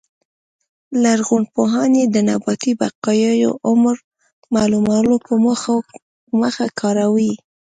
لرغونپوهان یې د نباتي بقایاوو عمر معلومولو په موخه کاروي